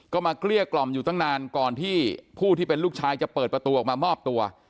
ก็มาเกลี้ยกล่อมอยู่ตั้งนานก่อนที่ผู้ที่เป็นลูกชายจะเปิดประตูออกมามอบตัว